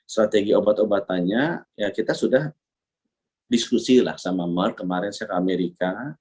strategi obat obatannya ya kita sudah diskusi lah sama mer kemarin saya ke amerika